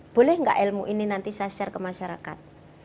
boleh nggak ilmu ini nanti saya share ke masyarakat